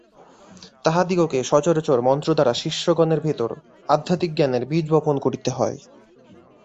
তাঁহাদিগকে সচরাচর মন্ত্র দ্বারা শিষ্যগণের ভিতর আধ্যাত্মিক জ্ঞানের বীজ বপন করিতে হয়।